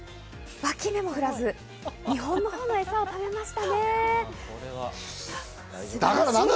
脇目もふらず日本の方のエサを食べました。